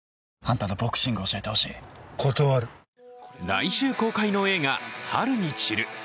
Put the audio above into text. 来週公開の映画「春に散る」。